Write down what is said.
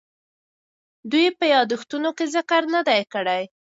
دوی یې په یادښتونو کې ذکر نه دی کړی.